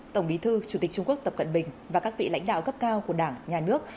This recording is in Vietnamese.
tổng bí thư chủ tịch trung quốc tập cận bình và các vị lãnh đạo cấp cao của đảng nhà nước